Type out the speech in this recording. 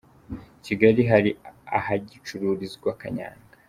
Kigali Hari ahagicururizwa kanyanga